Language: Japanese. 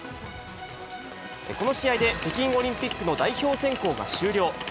この試合で北京オリンピックの代表選考が終了。